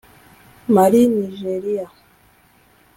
Mali Nigeria